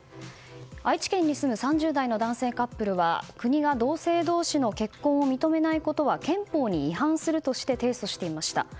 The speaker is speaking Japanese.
愛知県に住む３０代の男性カップルは国が同性同士の結婚を認めないことは憲法に違反するとして提訴していました。